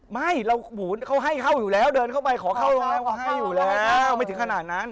ไม่เขาให้เข้าอยู่แล้วเดินเข้าไปขอเข้าห้องเขาให้อยู่แล้วไม่ถึงขนาดนั้น